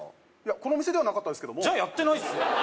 この店ではなかったですけどもじゃあやってないっすよ